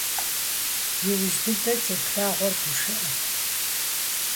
Иужь дыдэ теплъэгъуэр гушыӀэт.